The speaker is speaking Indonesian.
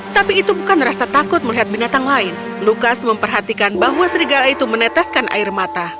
tapi itu bukan rasa takut melihat binatang lain lukas memperhatikan bahwa serigala itu meneteskan air mata